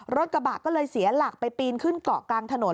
รถกระบะก็เลยเสียหลักไปปีนขึ้นเกาะกลางถนน